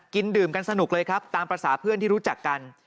ดื่มกันสนุกเลยครับตามภาษาเพื่อนที่รู้จักกัน